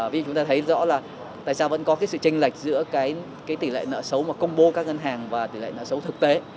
vì chúng ta thấy rõ là tại sao vẫn có cái sự tranh lệch giữa tỷ lệ nợ xấu mà công bố các ngân hàng và tỷ lệ nợ xấu thực tế